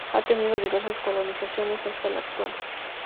Ha tenido diversas colocaciones hasta la actual.